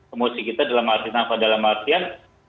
emosi kita dalam artian